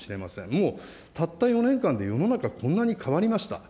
もう、たった４年間で世の中、こんなに変わりました。